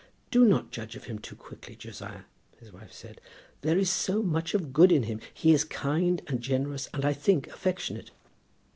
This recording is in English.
"Do not judge of him too quickly, Josiah," his wife said. "There is so much of good in him! He is kind, and generous, and I think affectionate."